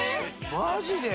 マジで！？